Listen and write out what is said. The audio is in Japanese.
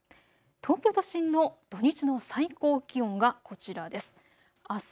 東京都心の土日の最高気温がこちらです。